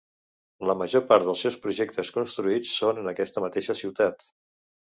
La major part dels seus projectes construïts són en aquesta mateixa ciutat.